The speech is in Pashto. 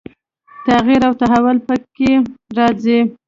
تغییر او تحول به په کې راځي.